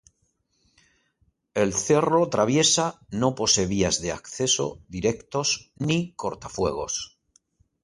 El Cerro Traviesa no posee vías de acceso directos ni cortafuegos.